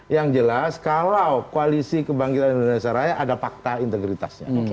yang jelas kalau koalisi kebangkitan indonesia raya ada fakta integritasnya